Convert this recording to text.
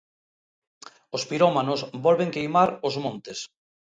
Os pirómanos volven queimar os montes.